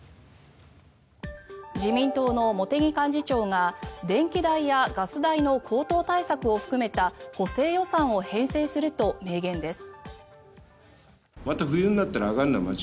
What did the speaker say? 自民党の茂木幹事長が電気代やガス代の高騰対策を含めた補正予算を編成すると明言です。